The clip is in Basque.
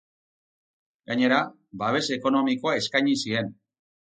Gainera, babes ekonomikoa eskaini zien.